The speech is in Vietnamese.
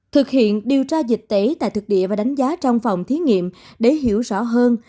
thực hiện điều tra dịch tễ tại thực địa và đánh giá trong phòng thí nghiệm để hiểu rõ hơn